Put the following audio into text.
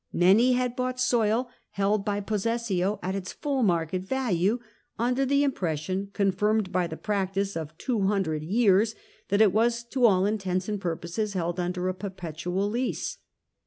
Many had bought soil held by 'possessio at its full market value, under the impression — confirmed by the practice of two hundred years — ^that it was to all intents and purposes held under a perpetual lease.